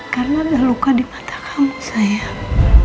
karena ada luka di mata kamu sayang